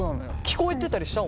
聞こえてたりした？